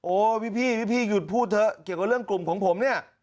พี่พี่หยุดพูดเถอะเกี่ยวกับเรื่องกลุ่มของผมเนี่ย